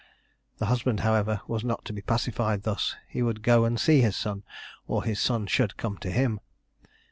The husband, however, was not to be pacified thus: he would go and see his son, or his son should come to him.